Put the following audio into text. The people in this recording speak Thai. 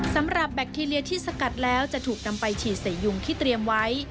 สำหรับแบคทีเรียที่สกัดแล้วจะถูกนำไปฉีดใส่ยุงที่เตรียมไว้